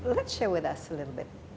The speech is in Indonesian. mari kita berbagi sedikit